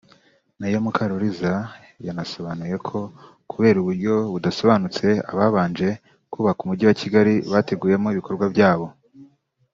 Meya Mukaruliza yanasobanuye ko kubera uburyo budasobanutse ababanje kubaka umujyi wa Kigali bateguyemo ibikorwa byabo